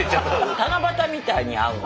七夕みたいに会うの。